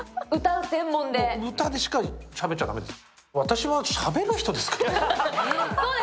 歌でしかしゃべっちゃ駄目です。